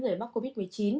dưới mắc covid một mươi chín